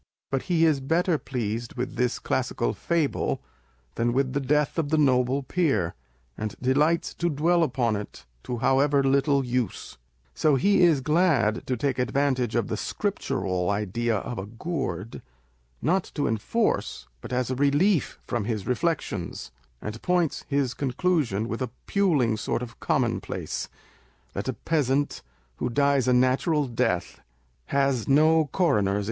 But he is better pleased with this classical fable than with the death of the Noble Peer, and delights to dwell upon it, to however little use. So he is glad to take advantage of the Scriptural idea of a gourd ; not to enforce, but as a relief to his reflections ; and points his conclusiom with a puling sort of commonplace that a peasant, who dies a natural death, has no Coroner'* 1 Sheffield Advertiser, Aug. 20, 1822. On the Prose Style of Poets.